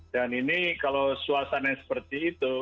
dan ini kalau suasana seperti itu